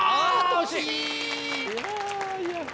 惜しい！